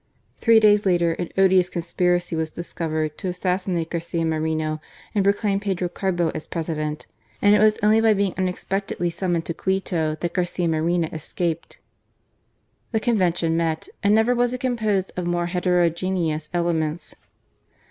Three days later, an odious conspiracy was discovered to assassi nate Garcia Moreno and proclaim Pedro Carbo President ; and it was only by being unexpectedly summoned to Quito that Garcia Moreno escaped. The Convention met, and never was it composed of more heterogeneous elements.